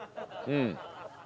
うん。